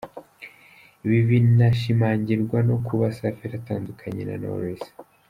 Ibi binashimangirwa no kuba Safi yaratandukanye na Knowless.